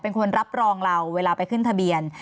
เป็นคนรับรองเราเวลาไปขึ้นทะเบียน